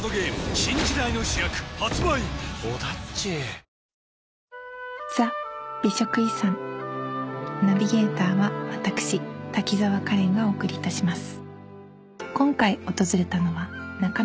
「アサヒスーパードライ」［ナビゲーターは私滝沢カレンがお送りいたします］